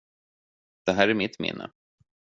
Det här är mitt minne.